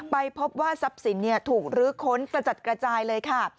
ไปพบว่าทรัพย์สินถูกรื้อค้นกระจัดกระจายเลยค่ะ